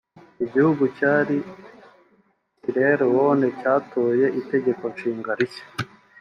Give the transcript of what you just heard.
Igihugu cyari Ceylon cyatoye itegeko nshinga rishya